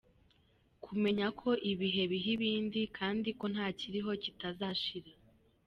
Kumenya ko ibihe biha ibindi kandi ko nta kiriho kitazashira.